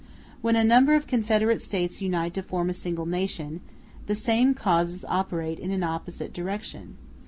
When a number of confederate states unite to form a single nation, the same causes operate in an opposite direction.